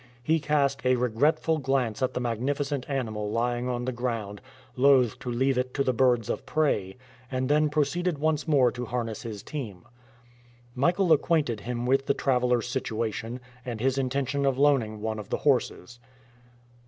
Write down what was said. He cast a regretful glance at the magnificent animal lying on the ground, loth to leave it to the birds of prey, and then proceeded once more to harness his team. Michael acquainted him with the travelers' situation, and his intention of loaning one of the horses.